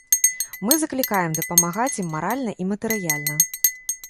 Мы заклікаем дапамагаць ім маральна і матэрыяльна.